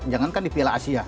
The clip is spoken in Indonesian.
jangan kan di piala asia